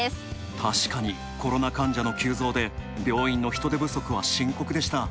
確かに、コロナ患者の急増で病院の人手不足は深刻でした。